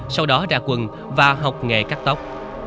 sau đó ra quân và học nghề cắt tóc